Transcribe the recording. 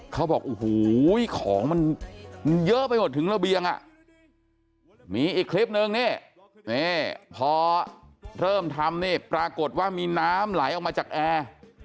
เขาบอกโอ้โหของมันเยอะไปหมดถึงระเบียงอ่ะมีอีกคลิปนึงนี่พอเริ่มทำนี่ปรากฏว่ามีน้ำไหลออกมาจากแอร์